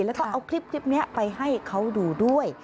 แล้วก็เอาคลิปนี้ไปให้เขาดูด้วย